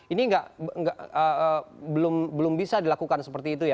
ini belum bisa dilakukan seperti itu ya